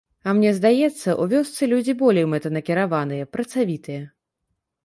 А мне здаецца, у вёсцы людзі болей мэтанакіраваныя, працавітыя.